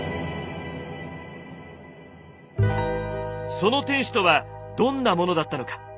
その天守とはどんなものだったのか。